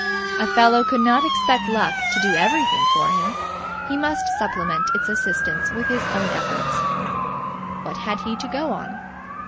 A fellow could not expect Luck to do everything for him. He must supplement its assistance with his own efforts. What had he to go on?